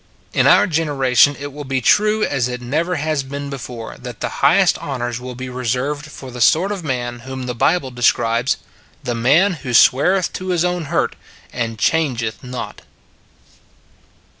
21 In our generation it will be true as it never has been before that the highest honors will be reserved for the sort of man whom the Bible describes: The man who " sweareth to his own hurt, and changeth not."